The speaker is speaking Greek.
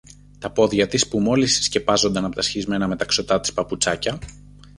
Τα πόδια της που μόλις σκεπάζονταν από τα σχισμένα μεταξωτά της παπουτσάκια